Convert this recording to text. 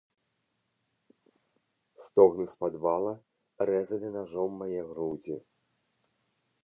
Стогны з падвала рэзалі нажом мае грудзі.